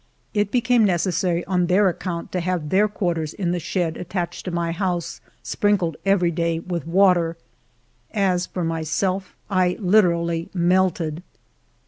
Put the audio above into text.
It became necessary on their account to have their quarters in the shed attached to my house sprinkled every day with water. As for myself, I literally melted.